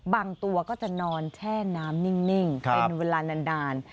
ตัวก็จะนอนแช่น้ำนิ่งเป็นเวลานาน